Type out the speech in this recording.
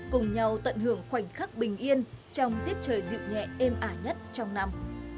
cùng nhau tận hưởng khoảnh khắc bình yên trong tiết trời dịu nhẹ êm ả nhất trong năm